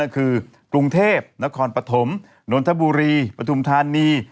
คือกรุงเทพนครปฐมนนทบุรีปฐุมธานี